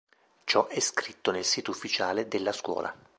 Ciò è scritto nel sito ufficiale della scuola.